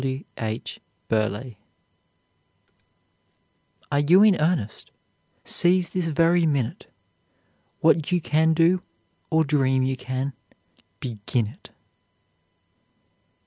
W. H. BURLEIGH. "Are you in earnest? Seize this very minute; What you can do, or dream you can, begin it."